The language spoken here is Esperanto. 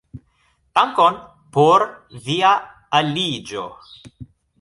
Dankon por via aliĝo!